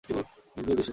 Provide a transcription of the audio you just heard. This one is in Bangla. নিজ নিজ দেশে।